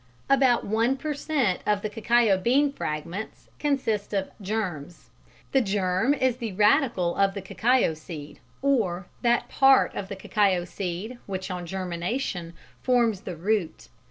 _ About one per cent. of the cacao bean fragments consists of "germs." The "germ" is the radicle of the cacao seed, or that part of the cacao seed which on germination forms the root.